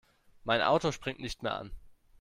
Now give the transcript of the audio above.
Mein Auto springt nicht mehr an.